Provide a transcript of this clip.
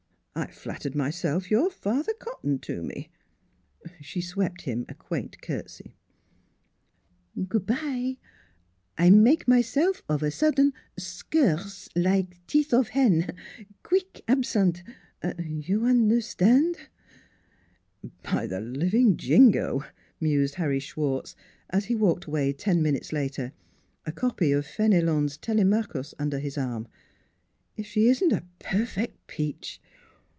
I flattered myself your father cottoned to me." She swept him a quaint curtsy. " Goo' by! I make myself of a sudden scurse, like teeth of hen. Queek absent You un'er stan'?" " By the living Jingo !" mused Harry Schwartz, as he walked away ten minutes later, a copy of Fenelon's Telemachus under his arm, " if she isn't a perfect peach